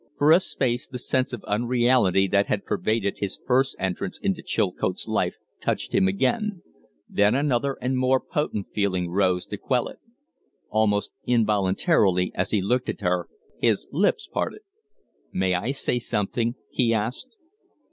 For a space the sense of unreality that had pervaded his first entrance into Chilcote's life touched him again, then another and more potent feeling rose to quell it. Almost involuntarily as he looked at her his lips parted. "May I say something?" he asked.